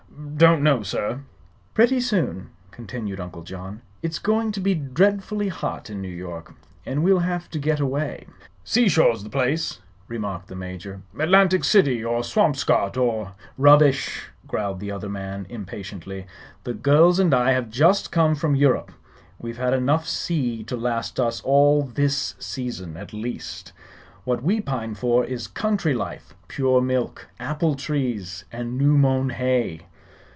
"Don't know, sir." "Pretty soon," continued Uncle John, "it's going to be dreadfully hot in New York, and we'll have to get away." "Seashore's the place," remarked the Major. "Atlantic City, or Swampscott, or " "Rubbish!" growled the other man, impatiently. "The girls and I have just come from Europe. We've had enough sea to last us all this season, at least. What we pine for is country life pure milk, apple trees and new mown hay."